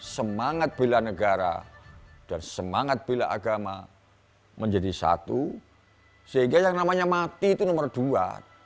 semangat bela negara dan semangat bela agama menjadi satu sehingga yang namanya mati itu nomor dua